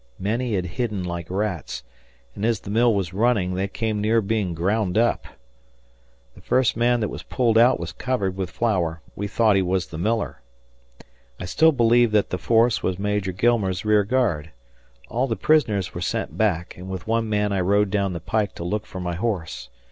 Many had hidden like rats, and as the mill was running, they came near being ground up. The first man that was pulled out was covered with flour; we thought he was the miller. I still believed that the force was Major Gilmer's rearguard. All the prisoners were sent back, and with one man I rode down the pike to look for my horse.